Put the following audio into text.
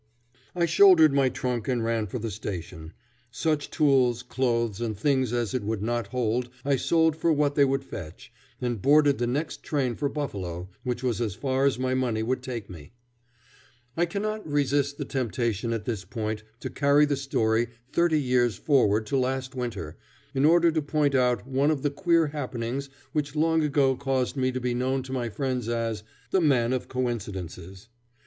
I shouldered my trunk and ran for the station. Such tools, clothes, and things as it would not hold I sold for what they would fetch, and boarded the next train for Buffalo, which was as far as my money would take me. [Illustration: "I found the valley deserted and dead."] I cannot resist the temptation at this point to carry the story thirty years forward to last winter, in order to point out one of the queer happenings which long ago caused me to be known to my friends as "the man of coincidences."